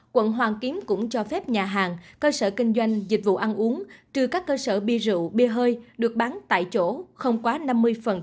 quận hoàng kiếm cũng cho phép nhà hàng cơ sở kinh doanh dịch vụ ăn uống trừ các cơ sở bia rượu bia hơi được bán tại chỗ không quá năm mươi công suất chỗ ngồi